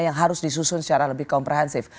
yang harus disusun secara lebih komprehensif